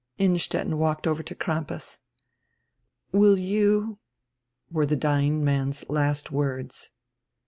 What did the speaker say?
Innstetten walked over to Crampas. "Will you —" were the dying man's last words.